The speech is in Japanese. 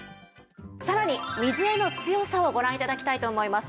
さらに水への強さをご覧頂きたいと思います。